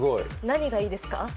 何がいいですか。